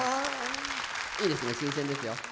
いいですね、新鮮ですよ。